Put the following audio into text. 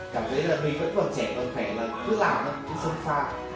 cảm thấy là mình vẫn còn trẻ còn khẻ mà cứ làm cứ sống xa